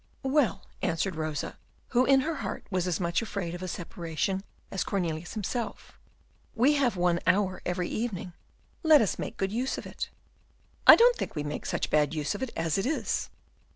"Well," answered Rosa, who in her heart was as much afraid of a separation as Cornelius himself, "we have one hour every evening, let us make good use of it." "I don't think we make such a bad use of it as it is."